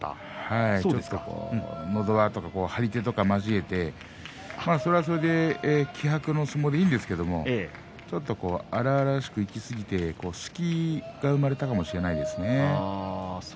のど輪とか張り手とか交えてそれはそれで気迫の相撲でいいんですがちょっと荒々しくいきすぎて隙が生まれたかもしれませんね。